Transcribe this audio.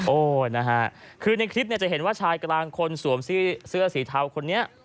โอ้นะฮะคือในคลิปเนี่ยจะเห็นว่าชายกลางคนสวมเสื้อสีเทาคนนี้